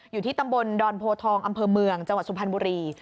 อยู่ที่ตำบลดอนโพทองอำเภอเมืองจังหวัดสุพรรณบุรี